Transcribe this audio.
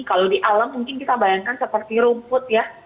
kalau di alam mungkin kita bayangkan seperti rumput ya